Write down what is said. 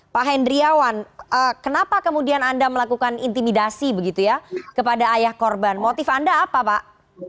pak hendriawan kenapa kemudian anda melakukan intimidasi begitu ya kepada ayah korban motif anda apa pak